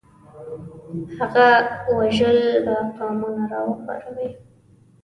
د هغه وژل به قومونه راوپاروي.